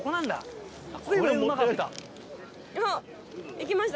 いきました？